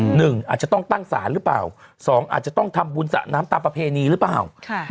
หนึ่งอาจจะต้องตั้งศาลหรือเปล่าสองอาจจะต้องทำบุญสระน้ำตามประเพณีหรือเปล่า